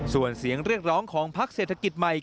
ส่วนเสียงเรียกร้องของพักเศรษฐกิจใหม่